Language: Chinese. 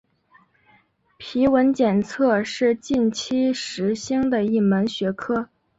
皮纹检测是近期时兴的一门学科。